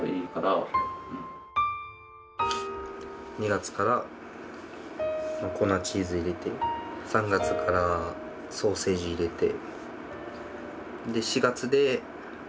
２月から粉チーズ入れて３月からソーセージ入れて。